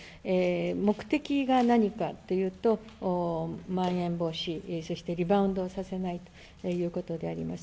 目的が何かっていうと、まん延防止、そしてリバウンドをさせないということであります。